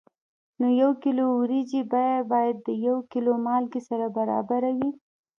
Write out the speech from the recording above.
نو د یو کیلو وریجو بیه باید د یو کیلو مالګې سره برابره وي.